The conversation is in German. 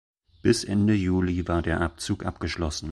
Bis Ende Juli war der Abzug abgeschlossen.